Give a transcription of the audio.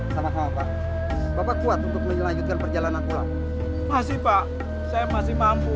sama sama bapak kuat untuk menyelanjutkan perjalanan pulang masih pak saya masih mampu